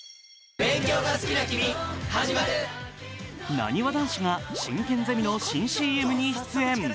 なにわ男子が進研ゼミの新ＣＭに出演。